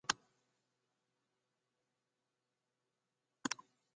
Saterdei waard er de bêste Nederlanner op de heale maraton.